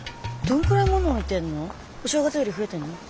どんくらい物置いてんの？お正月より増えてんの？